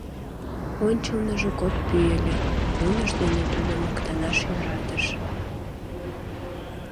Ончылныжо кок пӱй ыле, нунышт дене тудо моктанаш йӧратыш.